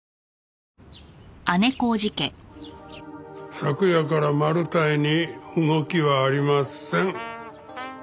昨夜からマルタイに動きはありません。